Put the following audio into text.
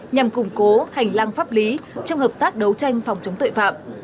nhằm củng cố hành lang pháp lý trong hợp tác đấu tranh phòng chống tội phạm